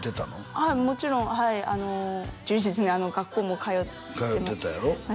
はいもちろんはい充実に学校も通って通ってたやろ？